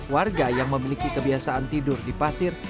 warga yang memiliki kebiasaan tidur di pasir